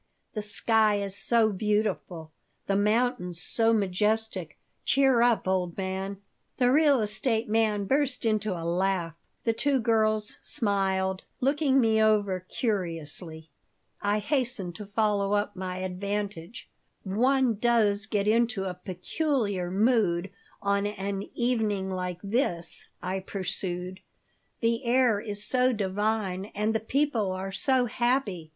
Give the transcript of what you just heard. The sky is so beautiful, the mountains so majestic. Cheer up, old man." The real estate man burst into a laugh. The two girls smiled, looking me over curiously. I hastened to follow up my advantage "One does get into a peculiar mood on an evening like this," I pursued. "The air is so divine and the people are so happy."